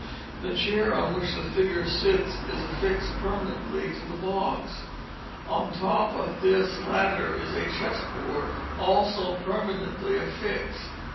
The chair on which the figure sits is affixed permanently to the box. On the top of this latter is a chess board, also permanently affixed.